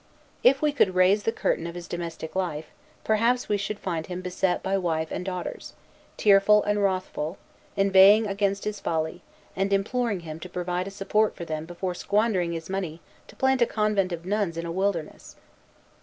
If we could raise the curtain of his domestic life, perhaps we should find him beset by wife and daughters, tearful and wrathful, inveighing against his folly, and imploring him to provide a support for them before squandering his money to plant a convent of nuns in a wilderness.